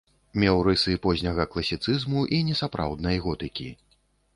Меў рысы позняга класіцызму і несапраўднай готыкі.